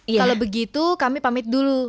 kalau begitu kami pamit dulu